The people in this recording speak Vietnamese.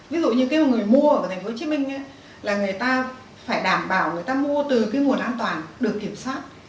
ví dụ như cái người mua ở tp hcm là người ta phải đảm bảo người ta mua từ cái nguồn an toàn được kiểm soát